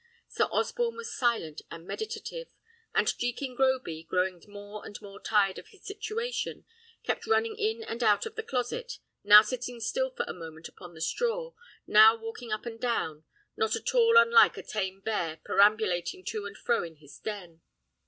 Sir Osborne was silent and meditative; and Jekin Groby, growing more and more tired of his situation, kept running in and out of the closet, now sitting still for a moment upon the straw, now walking up and down, not at all unlike a tame bear perambulating to and fro in his den.